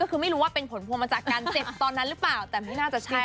ก็คือไม่รู้ว่าเป็นผลพวงมาจากการเจ็บตอนนั้นหรือเปล่าแต่ไม่น่าจะใช่